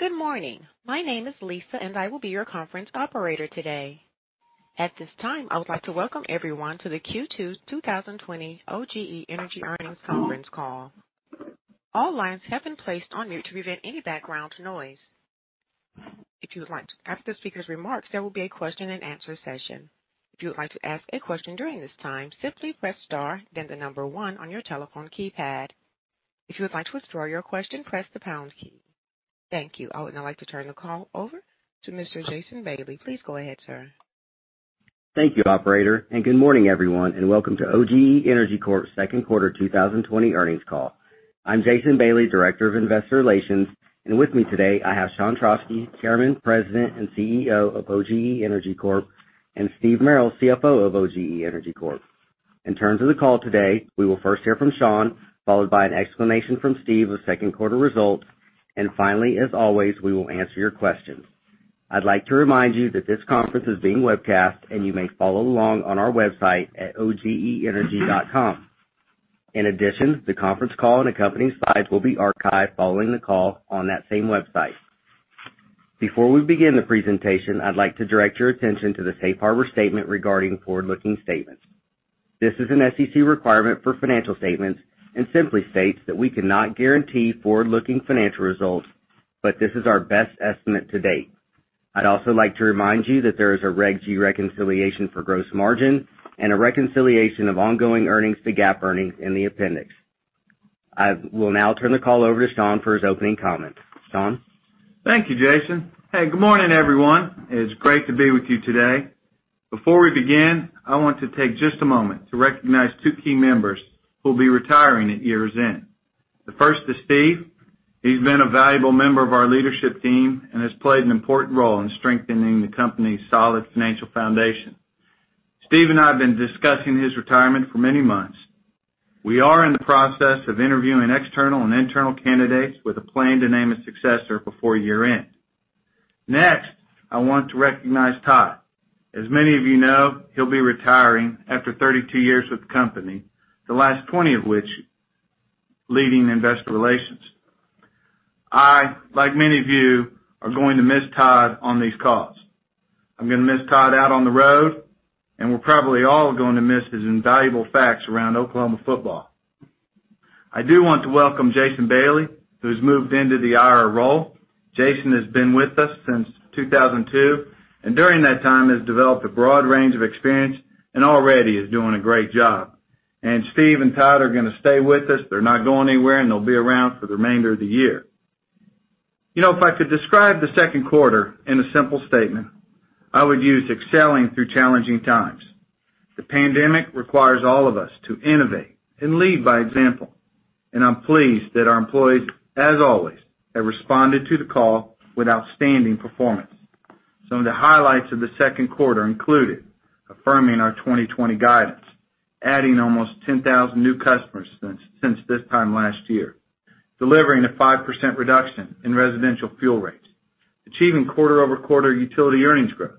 Good morning. My name is Lisa, I will be your conference operator today. At this time, I would like to welcome everyone to the Q2 2020 OGE Energy Earnings Conference Call. All lines have been placed on mute to prevent any background noise. After the speaker's remarks, there will be a question-and-answer session. If you would like to ask a question during this time, simply press star then the number one on your telephone keypad. If you would like to withdraw your question, press the pound key. Thank you. I would now like to turn the call over to Mr. Jason Bailey. Please go ahead, sir. Thank you, operator. Good morning, everyone, and welcome to OGE Energy Corp.'s second quarter 2020 earnings call. I'm Jason Bailey, Director of Investor Relations, and with me today, I have Sean Trauschke, Chairman, President, and CEO of OGE Energy Corp., and Steve Merrill, CFO of OGE Energy Corp. In terms of the call today, we will first hear from Sean, followed by an explanation from Steve of second quarter results. Finally, as always, we will answer your questions. I'd like to remind you that this conference is being webcast. You may follow along on our website at ogeenergy.com. In addition, the conference call and accompanying slides will be archived following the call on that same website. Before we begin the presentation, I'd like to direct your attention to the safe harbor statement regarding forward-looking statements. This is an SEC requirement for financial statements and simply states that we cannot guarantee forward-looking financial results, but this is our best estimate to date. I'd also like to remind you that there is a Reg G reconciliation for gross margin and a reconciliation of ongoing earnings to GAAP earnings in the appendix. I will now turn the call over to Sean for his opening comments. Sean? Thank you, Jason. Hey, good morning, everyone. It's great to be with you today. Before we begin, I want to take just a moment to recognize two key members who will be retiring at year's end. The first is Steve. He's been a valuable member of our leadership team and has played an important role in strengthening the company's solid financial foundation. Steve and I have been discussing his retirement for many months. We are in the process of interviewing external and internal candidates with a plan to name his successor before year-end. Next, I want to recognize Todd. As many of you know, he'll be retiring after 32 years with the company, the last 20 of which leading investor relations. I, like many of you, am going to miss Todd on these calls. I'm going to miss Todd out on the road, and we're probably all going to miss his invaluable facts around Oklahoma football. I do want to welcome Jason Bailey, who's moved into the IR role. Jason has been with us since 2002, and during that time, has developed a broad range of experience and already is doing a great job. Steve and Todd are going to stay with us. They're not going anywhere, and they'll be around for the remainder of the year. If I could describe the second quarter in a simple statement, I would use excelling through challenging times. The pandemic requires all of us to innovate and lead by example. I'm pleased that our employees, as always, have responded to the call with outstanding performance. Some of the highlights of the second quarter included affirming our 2020 guidance, adding almost 10,000 new customers since this time last year, delivering a 5% reduction in residential fuel rates, achieving quarter-over-quarter utility earnings growth,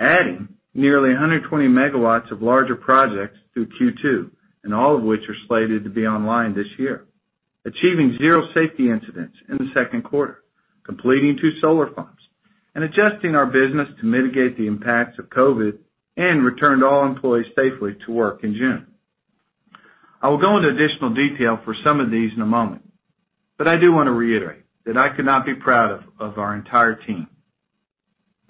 adding nearly 120 MW of larger projects through Q2, and all of which are slated to be online this year, achieving zero safety incidents in the second quarter, completing two solar funds, and adjusting our business to mitigate the impacts of COVID and returned all employees safely to work in June. I will go into additional detail for some of these in a moment, but I do want to reiterate that I could not be prouder of our entire team.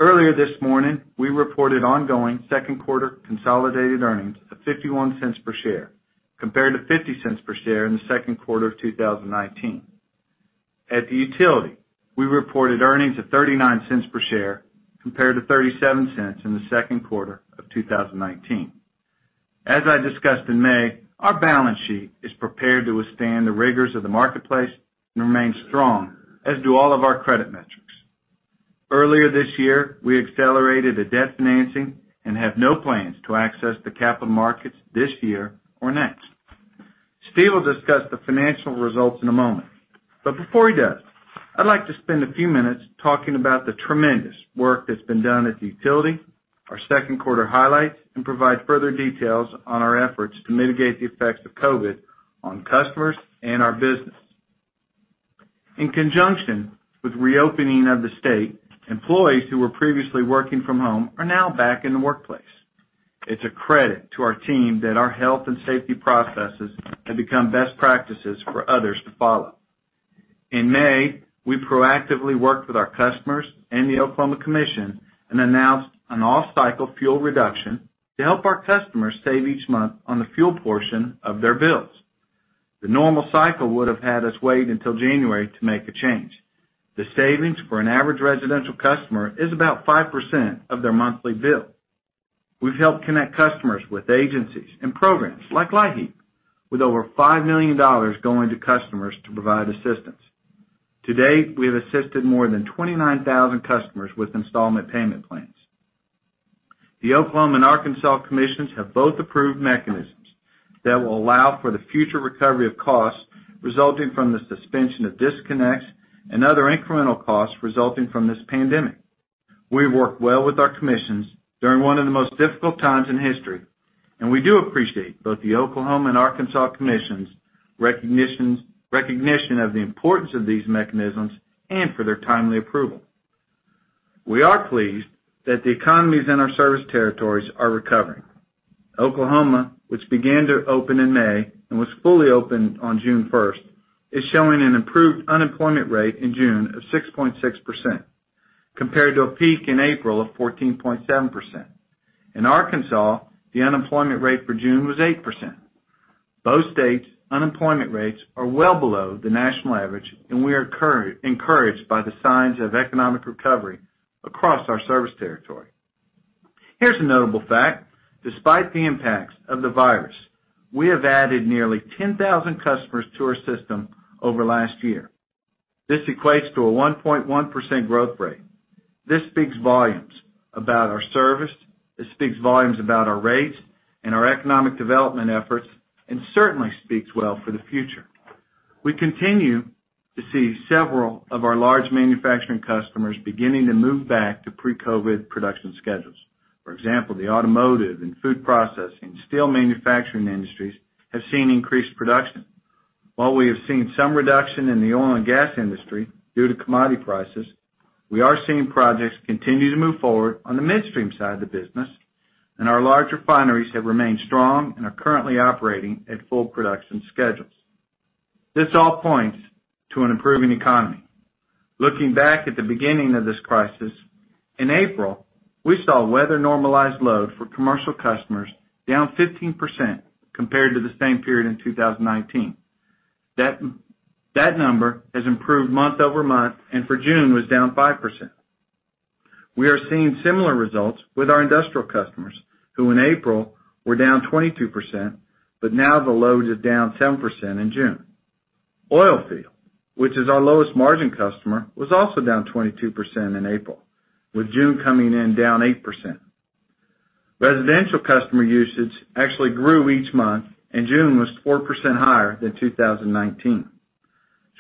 Earlier this morning, we reported ongoing second quarter consolidated earnings of $0.51 per share, compared to $0.50 per share in the second quarter of 2019. At the utility, we reported earnings of $0.39 per share, compared to $0.37 in the second quarter of 2019. As I discussed in May, our balance sheet is prepared to withstand the rigors of the marketplace and remains strong, as do all of our credit metrics. Earlier this year, we accelerated the debt financing and have no plans to access the capital markets this year or next. Steve will discuss the financial results in a moment. Before he does, I'd like to spend a few minutes talking about the tremendous work that's been done at the utility, our second quarter highlights, and provide further details on our efforts to mitigate the effects of COVID on customers and our business. In conjunction with reopening of the state, employees who were previously working from home are now back in the workplace. It's a credit to our team that our health and safety processes have become best practices for others to follow. In May, we proactively worked with our customers and the Oklahoma Commission announced an off-cycle fuel reduction to help our customers save each month on the fuel portion of their bills. The normal cycle would have had us wait until January to make a change. The savings for an average residential customer is about 5% of their monthly bill. We've helped connect customers with agencies and programs like LIHEAP, with over $5 million going to customers to provide assistance. To date, we have assisted more than 29,000 customers with installment payment plans. The Oklahoma and Arkansas Commissions have both approved mechanisms that will allow for the future recovery of costs resulting from the suspension of disconnects and other incremental costs resulting from this pandemic. We've worked well with our commissions during one of the most difficult times in history, and we do appreciate both the Oklahoma and Arkansas commissions recognition of the importance of these mechanisms and for their timely approval. We are pleased that the economies in our service territories are recovering. Oklahoma, which began to open in May and was fully open on June 1st, is showing an improved unemployment rate in June of 6.6%, compared to a peak in April of 14.7%. In Arkansas, the unemployment rate for June was 8%. Both states unemployment rates are well below the national average, and we are encouraged by the signs of economic recovery across our service territory. Here's a notable fact. Despite the impacts of the virus, we have added nearly 10,000 customers to our system over last year. This equates to a 1.1% growth rate. This speaks volumes about our service, this speaks volumes about our rates and our economic development efforts, and certainly speaks well for the future. We continue to see several of our large manufacturing customers beginning to move back to pre-COVID production schedules. For example, the automotive and food processing, steel manufacturing industries have seen increased production. While we have seen some reduction in the oil and gas industry due to commodity prices, we are seeing projects continue to move forward on the midstream side of the business, and our large refineries have remained strong and are currently operating at full production schedules. This all points to an improving economy. Looking back at the beginning of this crisis, in April, we saw weather-normalized load for commercial customers down 15% compared to the same period in 2019. That number has improved month-over-month, and for June was down 5%. We are seeing similar results with our industrial customers, who in April were down 22%, but now the load is down 7% in June. Oil field, which is our lowest margin customer, was also down 22% in April, with June coming in down 8%. Residential customer usage actually grew each month, and June was 4% higher than 2019.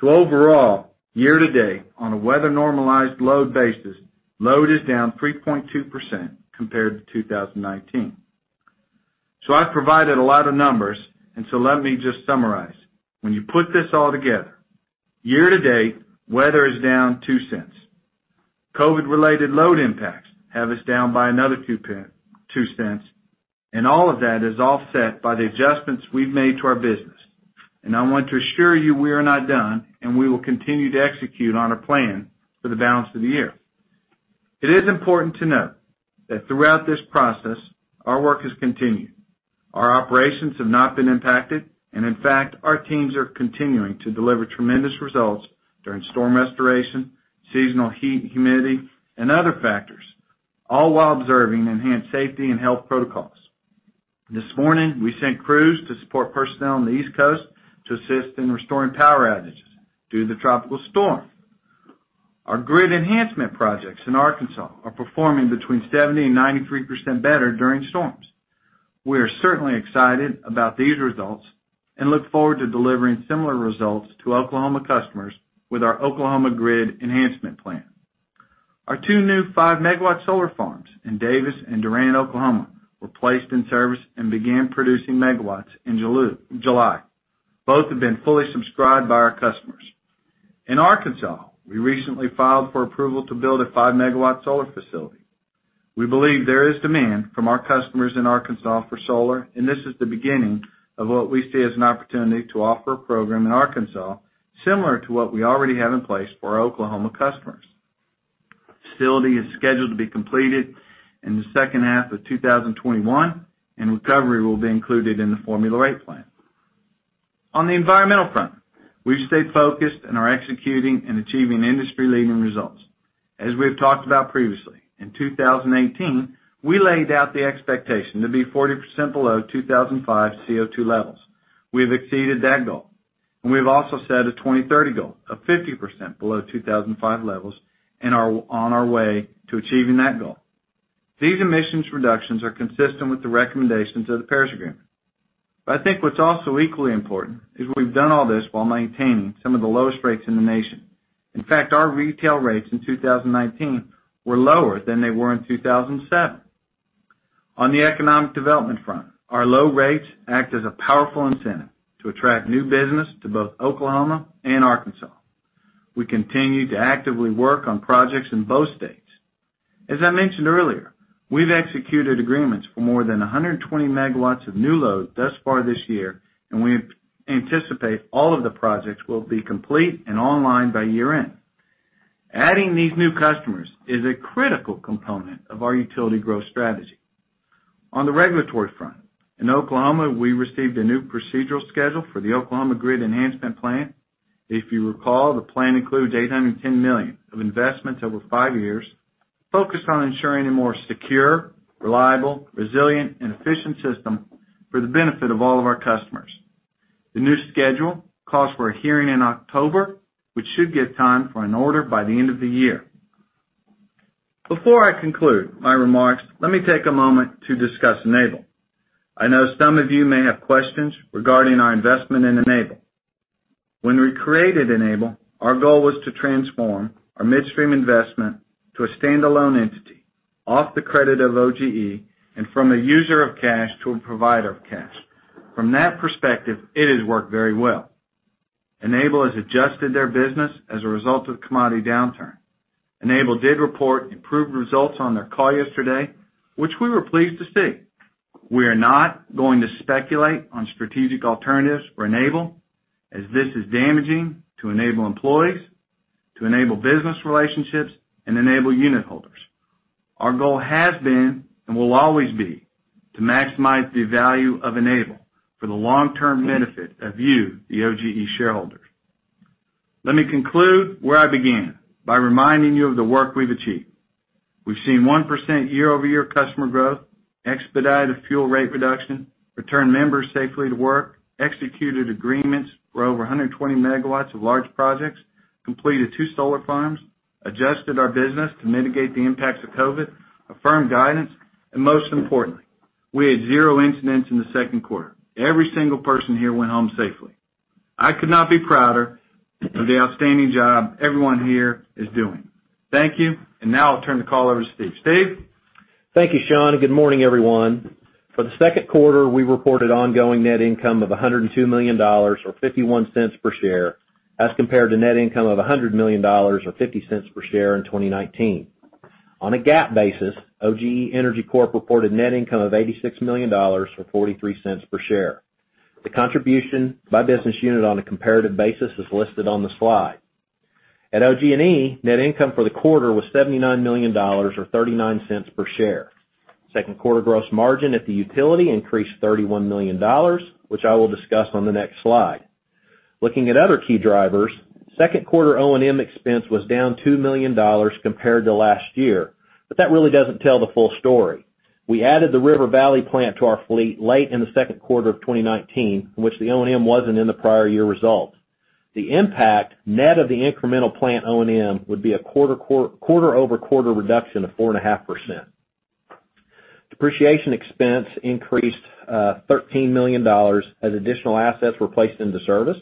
Overall, year-to-date, on a weather-normalized load basis, load is down 3.2% compared to 2019. I've provided a lot of numbers, let me just summarize. When you put this all together, year-to-date, weather is down $0.02. COVID-related load impacts have us down by another $0.02, and all of that is offset by the adjustments we've made to our business. I want to assure you we are not done, and we will continue to execute on our plan for the balance of the year. It is important to note that throughout this process, our work has continued. Our operations have not been impacted, and in fact, our teams are continuing to deliver tremendous results during storm restoration, seasonal heat and humidity, and other factors, all while observing enhanced safety and health protocols. This morning, we sent crews to support personnel on the East Coast to assist in restoring power outages due to the tropical storm. Our grid enhancement projects in Arkansas are performing between 70% and 93% better during storms. We are certainly excited about these results and look forward to delivering similar results to Oklahoma customers with our Oklahoma Grid Enhancement Plan. Our two new 5 MW solar farms in Davis and Durant, Oklahoma, were placed in service and began producing megawatts in July. Both have been fully subscribed by our customers. In Arkansas, we recently filed for approval to build a 5 MW solar facility. We believe there is demand from our customers in Arkansas for solar, and this is the beginning of what we see as an opportunity to offer a program in Arkansas similar to what we already have in place for our Oklahoma customers. Facility is scheduled to be completed in the second half of 2021, and recovery will be included in the Formula Rate Plan. On the environmental front, we've stayed focused and are executing and achieving industry-leading results. As we have talked about previously, in 2018, we laid out the expectation to be 40% below 2005 CO2 levels. We have exceeded that goal, and we have also set a 2030 goal of 50% below 2005 levels and are on our way to achieving that goal. These emissions reductions are consistent with the recommendations of the Paris Agreement. I think what's also equally important is we've done all this while maintaining some of the lowest rates in the nation. In fact, our retail rates in 2019 were lower than they were in 2007. On the economic development front, our low rates act as a powerful incentive to attract new business to both Oklahoma and Arkansas. We continue to actively work on projects in both states. As I mentioned earlier, we've executed agreements for more than 120 MW of new load thus far this year, and we anticipate all of the projects will be complete and online by year-end. Adding these new customers is a critical component of our utility growth strategy. On the regulatory front, in Oklahoma, we received a new procedural schedule for the Oklahoma Grid Enhancement Plan. If you recall, the plan includes $810 million of investments over five years, focused on ensuring a more secure, reliable, resilient, and efficient system for the benefit of all of our customers. The new schedule calls for a hearing in October, which should give time for an order by the end of the year. Before I conclude my remarks, let me take a moment to discuss Enable. I know some of you may have questions regarding our investment in Enable. When we created Enable, our goal was to transform our midstream investment to a standalone entity, off the credit of OGE, and from a user of cash to a provider of cash. From that perspective, it has worked very well. Enable has adjusted their business as a result of commodity downturn. Enable did report improved results on their call yesterday, which we were pleased to see. We are not going to speculate on strategic alternatives for Enable, as this is damaging to Enable employees, to Enable business relationships, and Enable unitholders. Our goal has been, and will always be, to maximize the value of Enable for the long-term benefit of you, the OGE shareholders. Let me conclude where I began, by reminding you of the work we've achieved. We've seen 1% year-over-year customer growth, expedited fuel rate reduction, returned members safely to work, executed agreements for over 120 MW of large projects, completed two solar farms, adjusted our business to mitigate the impacts of COVID, affirmed guidance, and most importantly, we had zero incidents in the second quarter. Every single person here went home safely. I could not be prouder of the outstanding job everyone here is doing. Thank you. Now I'll turn the call over to Steve. Steve? Thank you, Sean, and good morning, everyone. For the second quarter, we reported ongoing net income of $102 million, or $0.51 per share, as compared to net income of $100 million or $0.50 per share in 2019. On a GAAP basis, OGE Energy Corp reported net income of $86 million, or $0.43 per share. The contribution by business unit on a comparative basis is listed on the slide. At OG&E, net income for the quarter was $79 million or $0.39 per share. Second quarter gross margin at the utility increased $31 million, which I will discuss on the next slide. Looking at other key drivers, second quarter O&M expense was down $2 million compared to last year, but that really doesn't tell the full story. We added the River Valley plant to our fleet late in the second quarter of 2019, in which the O&M wasn't in the prior year results. The impact net of the incremental plant O&M would be a quarter-over-quarter reduction of 4.5%. Depreciation expense increased $13 million as additional assets were placed into service,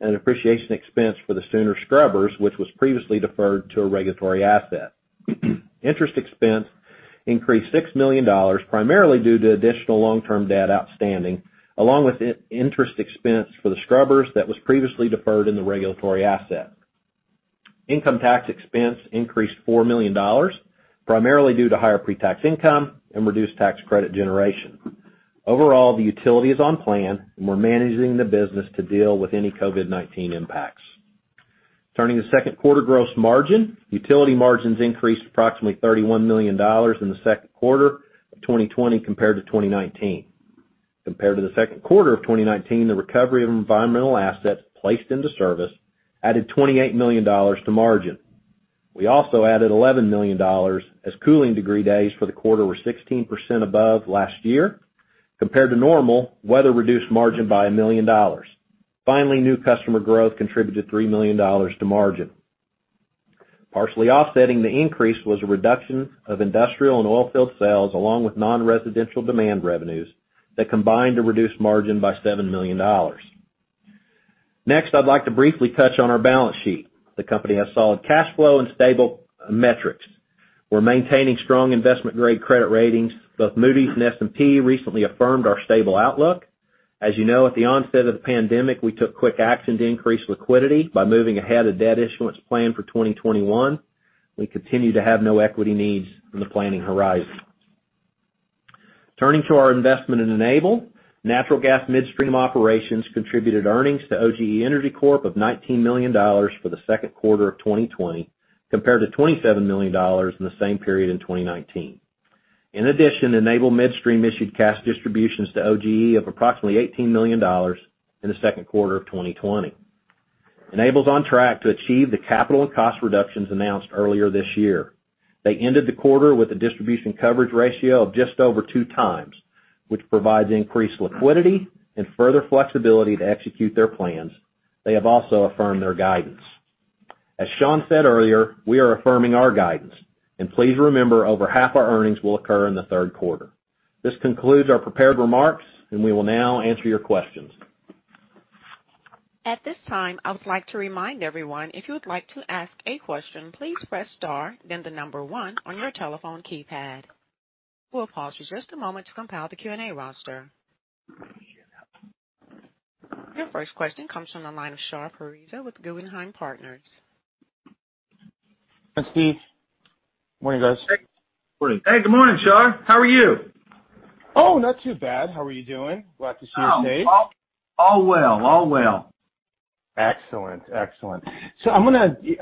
and depreciation expense for the Sooner scrubbers, which was previously deferred to a regulatory asset. Interest expense increased $6 million, primarily due to additional long-term debt outstanding, along with interest expense for the scrubbers that was previously deferred in the regulatory asset. Income tax expense increased $4 million, primarily due to higher pre-tax income and reduced tax credit generation. Overall, the utility is on plan, and we're managing the business to deal with any COVID-19 impacts. Turning to second quarter gross margin, utility margins increased approximately $31 million in the second quarter of 2020 compared to 2019. Compared to the second quarter of 2019, the recovery of environmental assets placed into service added $28 million to margin. We also added $11 million as cooling degree days for the quarter were 16% above last year. Compared to normal, weather reduced margin by $1 million. Finally, new customer growth contributed $3 million to margin. Partially offsetting the increase was a reduction of industrial and oil field sales, along with non-residential demand revenues that combined to reduce margin by $7 million. Next, I'd like to briefly touch on our balance sheet. The company has solid cash flow and stable metrics. We're maintaining strong investment-grade credit ratings. Both Moody's and S&P recently affirmed our stable outlook. As you know, at the onset of the pandemic, we took quick action to increase liquidity by moving ahead a debt issuance plan for 2021. We continue to have no equity needs in the planning horizon. Turning to our investment in Enable, natural gas midstream operations contributed earnings to OGE Energy Corp. of $19 million for the second quarter of 2020, compared to $27 million in the same period in 2019. In addition, Enable Midstream issued cash distributions to OGE of approximately $18 million in the second quarter of 2020. Enable's on track to achieve the capital and cost reductions announced earlier this year. They ended the quarter with a distribution coverage ratio of just over two times, which provides increased liquidity and further flexibility to execute their plans. They have also affirmed their guidance. As Sean said earlier, we are affirming our guidance, and please remember, over half our earnings will occur in the third quarter. This concludes our prepared remarks, and we will now answer your questions. At this time, I would like to remind everyone, if you would like to ask a question, please press star then the number one on your telephone keypad. We'll pause just a moment to compile the Q&A roster. Your first question comes from the line of Shar Pourreza with Guggenheim Partners. Steve. Morning, guys. Morning. Hey, good morning, Shar. How are you? Oh, not too bad. How are you doing? Glad to see you, Steve. All well. Excellent. I'm going to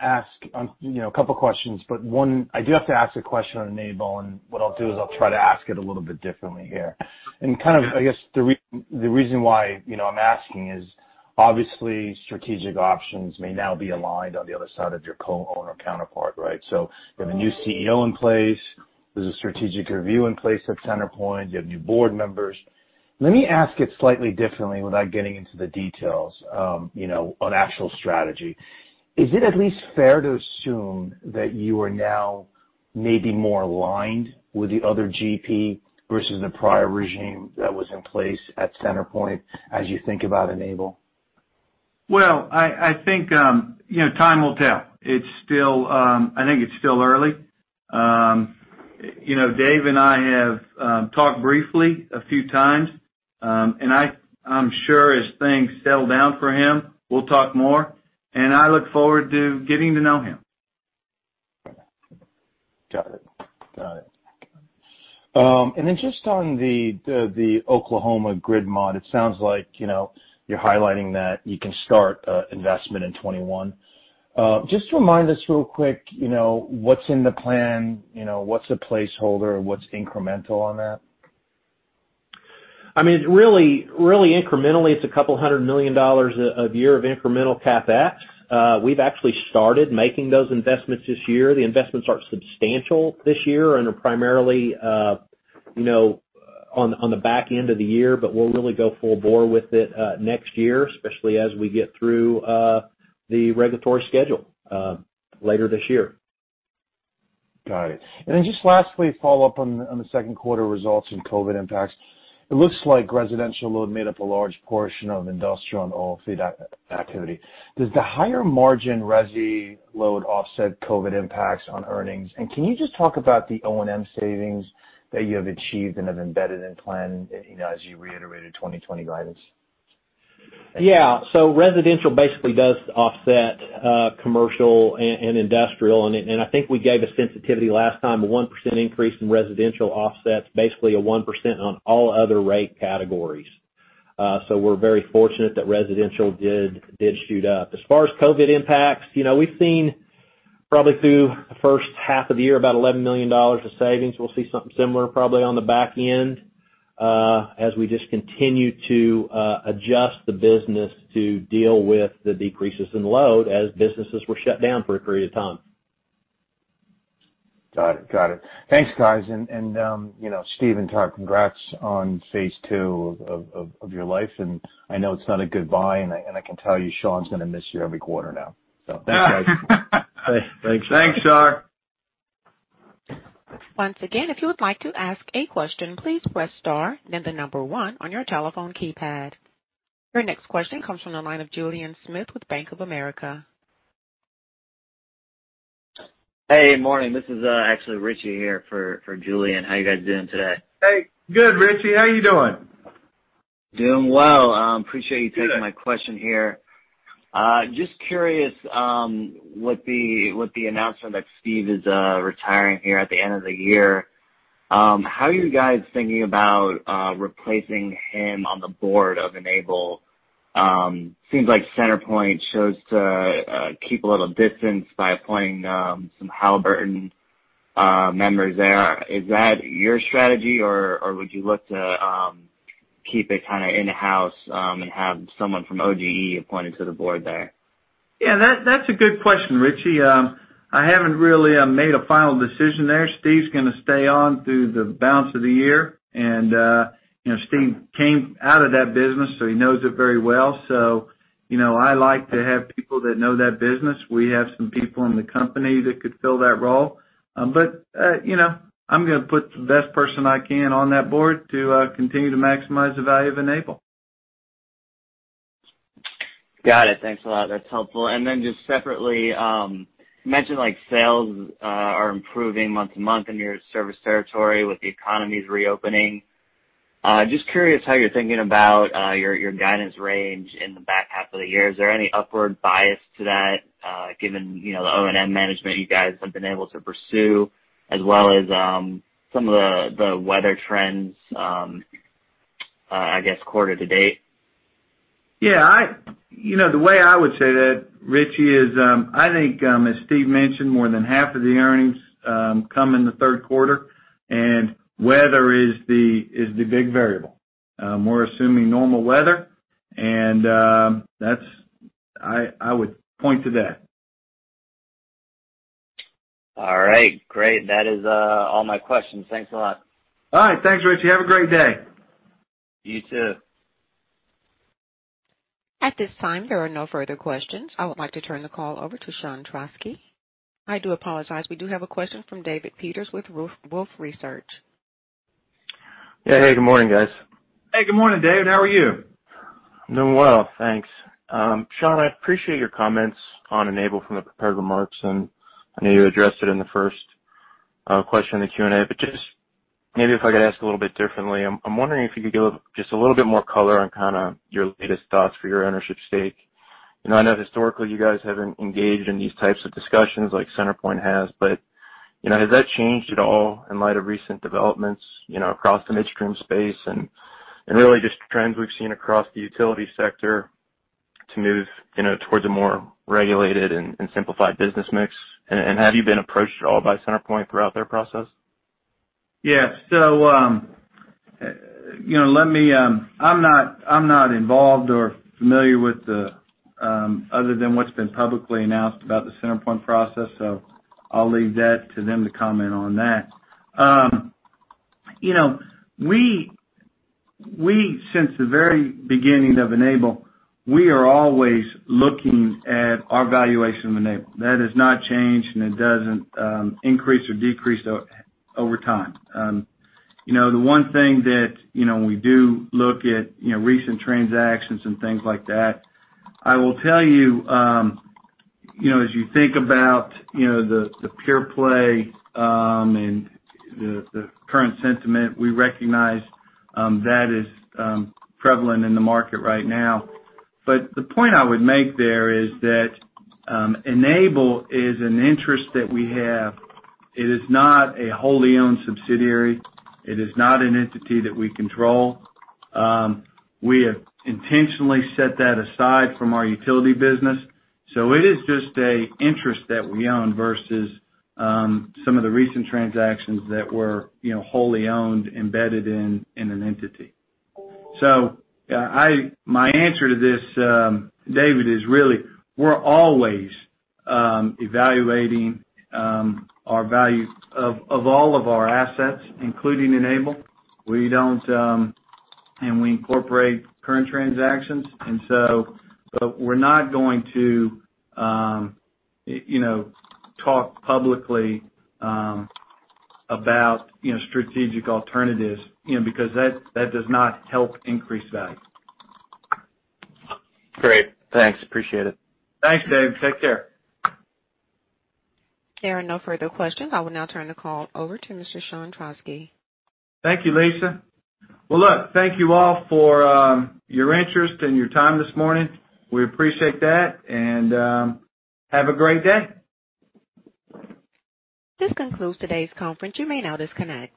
ask a couple of questions, but one, I do have to ask a question on Enable, and what I'll do is I'll try to ask it a little bit differently here. Kind of, I guess, the reason why I'm asking is obviously strategic options may now be aligned on the other side of your co-owner counterpart, right? You have a new CEO in place. There's a strategic review in place at CenterPoint. You have new board members. Let me ask it slightly differently without getting into the details on actual strategy. Is it at least fair to assume that you are now maybe more aligned with the other GP versus the prior regime that was in place at CenterPoint as you think about Enable? Well, I think time will tell. I think it's still early. Dave and I have talked briefly a few times, and I'm sure as things settle down for him, we'll talk more, and I look forward to getting to know him. Got it. Just on the Oklahoma grid mod, it sounds like you're highlighting that you can start investment in 2021. Just remind us real quick, what's in the plan, what's a placeholder and what's incremental on that? Really incrementally, it's a couple hundred million dollars a year of incremental CapEx. We've actually started making those investments this year. The investments are substantial this year and are primarily on the back end of the year. We'll really go full bore with it next year, especially as we get through the regulatory schedule later this year. Got it. Just lastly, follow up on the second quarter results and COVID impacts. It looks like residential load made up a large portion of industrial and oilfield activity. Does the higher margin resi load offset COVID impacts on earnings? Can you just talk about the O&M savings that you have achieved and have embedded in plan as you reiterated 2020 guidance? Yeah. residential basically does offset commercial and industrial, and I think we gave a sensitivity last time. A 1% increase in residential offsets basically a 1% on all other rate categories. We're very fortunate that residential did shoot up. As far as COVID impacts, we've seen probably through the first half of the year about $11 million of savings. We'll see something similar probably on the back end as we just continue to adjust the business to deal with the decreases in load as businesses were shut down for a period of time. Got it. Thanks, guys. Shar Pourreza, congrats on phase II of your life. I know it's not a goodbye. I can tell you Sean's going to miss you every quarter now. Thanks, guys. Thanks, Sarr. Once again, if you would like to ask a question, please press star, then the number one on your telephone keypad. Your next question comes from the line of Julien Dumoulin-Smith with Bank of America. Hey, morning. This is actually Richie here for Julien. How you guys doing today? Hey, good, Richie. How you doing? Doing well. Appreciate you. Good taking my question here. Just curious, with the announcement that Steve is retiring here at the end of the year, how are you guys thinking about replacing him on the board of Enable? Seems like CenterPoint chose to keep a little distance by appointing some Halliburton members there. Is that your strategy, or would you look to keep it kind of in-house and have someone from OGE appointed to the board there? Yeah, that's a good question, Richie. I haven't really made a final decision there. Steve's going to stay on through the balance of the year. Steve came out of that business, so he knows it very well. I like to have people that know that business. We have some people in the company that could fill that role. I'm going to put the best person I can on that board to continue to maximize the value of Enable. Got it. Thanks a lot. That's helpful. Then just separately, you mentioned sales are improving month-to-month in your service territory with the economies reopening. Just curious how you're thinking about your guidance range in the back half of the year. Is there any upward bias to that given the O&M management you guys have been able to pursue, as well as some of the weather trends, I guess, quarter-to-date? Yeah. The way I would say that, Richie, is I think as Steve mentioned, more than half of the earnings come in the third quarter, and weather is the big variable. We're assuming normal weather, and I would point to that. All right. Great. That is all my questions. Thanks a lot. All right. Thanks, Richie. Have a great day. You too. At this time, there are no further questions. I would like to turn the call over to Sean Trauschke. I do apologize, we do have a question from David Peters with Wolfe Research. Yeah. Hey, good morning, guys. Hey, good morning, Dave. How are you? I'm doing well, thanks. Sean, I appreciate your comments on Enable from the prepared remarks, and I know you addressed it in the first question in the Q&A, but just maybe if I could ask a little bit differently. I'm wondering if you could give just a little bit more color on kind of your latest thoughts for your ownership stake. I know historically you guys haven't engaged in these types of discussions like CenterPoint has, but has that changed at all in light of recent developments across the midstream space and really just trends we've seen across the utility sector to move towards a more regulated and simplified business mix? Have you been approached at all by CenterPoint throughout their process? Yeah. I'm not involved or familiar with other than what's been publicly announced about the CenterPoint process, so I'll leave that to them to comment on that. We, since the very beginning of Enable, we are always looking at our valuation of Enable. That has not changed, and it doesn't increase or decrease over time. The one thing that we do look at, recent transactions and things like that, I will tell you, as you think about the pure play and the current sentiment, we recognize that is prevalent in the market right now. The point I would make there is that Enable is an interest that we have. It is not a wholly owned subsidiary. It is not an entity that we control. We have intentionally set that aside from our utility business. It is just a interest that we own versus some of the recent transactions that were wholly owned, embedded in an entity. My answer to this, David, is really, we're always evaluating our value of all of our assets, including Enable. We incorporate current transactions. We're not going to talk publicly about strategic alternatives because that does not help increase value. Great. Thanks. Appreciate it. Thanks, Dave. Take care. There are no further questions. I will now turn the call over to Mr. Sean Trauschke. Thank you, Lisa. Well, look, thank you all for your interest and your time this morning. We appreciate that, and have a great day. This concludes today's conference. You may now disconnect.